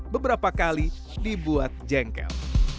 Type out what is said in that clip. beberapa kali dibuat jengkel